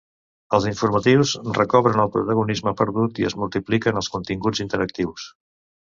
Els informatius recobren el protagonisme perdut i es multipliquen els continguts interactius.